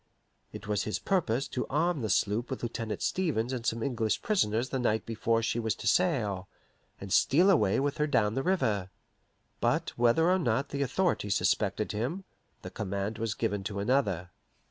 It was his purpose to arm his sloop with Lieutenant Stevens and some English prisoners the night before she was to sail, and steal away with her down the river. But whether or not the authorities suspected him, the command was given to another.